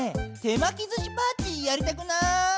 手まきずしパーティーやりたくない？